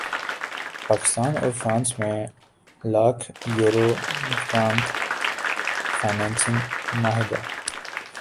پاکستان اور فرانس میں lakh euro grant financing معاہدہ